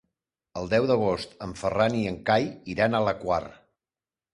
El deu d'agost en Ferran i en Cai iran a la Quar.